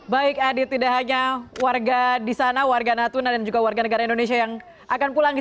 baik adi tidak hanya warga di sana warga natuna dan juga warga negara indonesia yang akan pulang